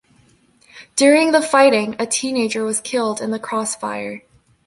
During the fighting, a teenager was killed in the crossfire.